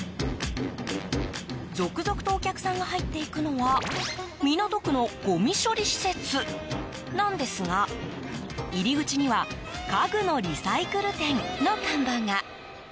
続々とお客さんが入っていくのは港区のごみ処理施設なんですが入り口には家具のリサイクル展の看板が。